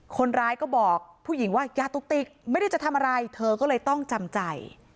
คนร้ายก็บอกผู้หญิงว่าอย่าตุกติกไม่ได้จะทำอะไรเธอก็เลยต้องจำใจ